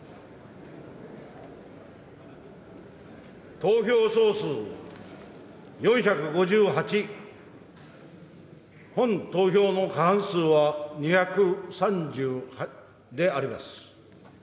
投票総数４５８、本投票の過半数は２３０であります。